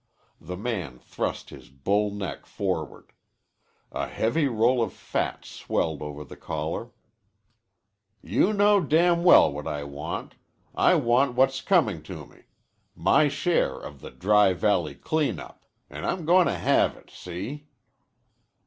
The man thrust his bull neck forward. A heavy roll of fat swelled over the collar. "You know damn well what I want. I want what's comin' to me. My share of the Dry Valley clean up. An' I'm gonna have it. See?"